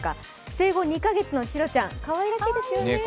生後２か月のチロちゃん、かわいらしいですね。